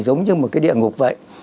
giống như một địa ngục vậy